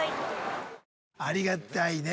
ありがたいね